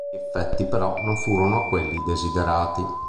Gli effetti però non furono quelli desiderati.